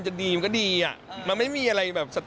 อ๋อฉันก็เลยแบบ